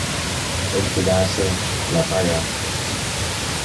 El que la hace la paga.